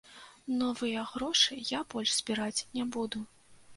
Новыя грошы я больш збіраць не буду.